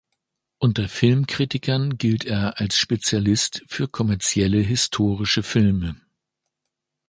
Unter Filmkritikern gilt er als Spezialist für kommerzielle historische Filme.